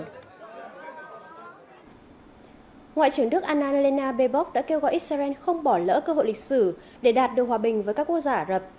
ngoại trưởng đức anna helena baebock đã kêu gọi israel không bỏ lỡ cơ hội lịch sử để đạt được hòa bình với các quốc gia ả rập